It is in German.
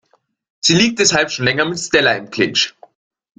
Sie liegt deshalb schon länger mit Stella im Clinch.